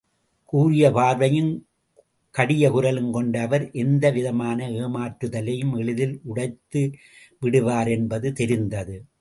கூரிய பார்வையும் கடிய குரலும் கொண்ட அவர் எந்த விதமான ஏமாற்றுதலையும் எளிதில் உடைத்துவிடுவார் என்பது தெரிந்தது.